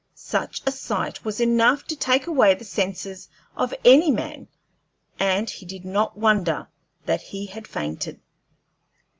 Such a sight was enough to take away the senses of any man, and he did not wonder that he had fainted.